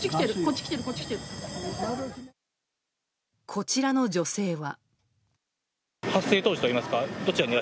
こちらの女性は。